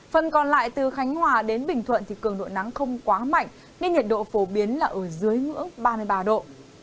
phần còn lại từ khánh hòa đến bình thuận thì cường độ nắng không quá mạnh nên nhiệt độ phổ biến là ở dưới ngưỡng ba mươi ba độ